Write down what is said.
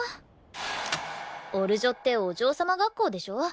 オル女ってお嬢様学校でしょ？